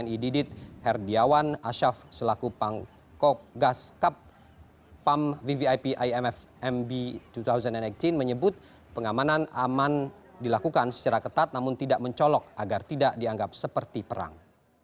tni didit herdiawan asyaf selaku pangkop gaskap pam vvip imf mb dua ribu delapan belas menyebut pengamanan aman dilakukan secara ketat namun tidak mencolok agar tidak dianggap seperti perang